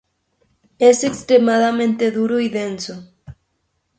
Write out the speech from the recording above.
Es extremadamente duro y denso.